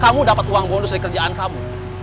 kamu dapat uang bonus dari kerjaan kamu